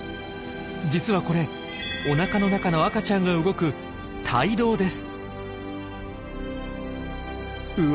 実はこれおなかの中の赤ちゃんが動くうわ